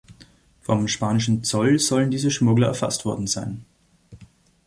Vom spanischen Zoll sollen diese Schmuggler erfasst worden sein.